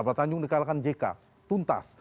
bapak tanjung dikalahkan jk tuntas